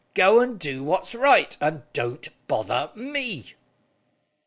Go and do what's right, and don't bother me."